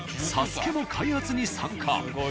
ＳＡＳＵＫＥも開発に参加。